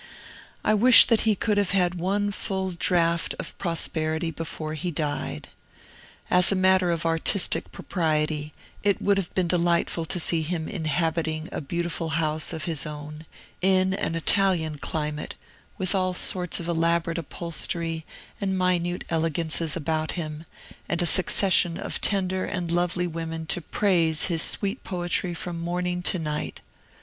I wish that he could have had one full draught of prosperity before he died. As a matter of artistic propriety, it would have been delightful to see him inhabiting a beautiful house of his own, in an Italian climate, with all sorts of elaborate upholstery and minute elegances about him, and a succession of tender and lovely women to praise his sweet poetry from morning to night.